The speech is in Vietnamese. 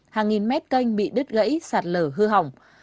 hàng nghìn mét canh bị đứt gãy sạt lở hư hỏng